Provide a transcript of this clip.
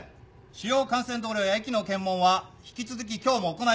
主要幹線道路や駅の検問は引き続き今日も行います。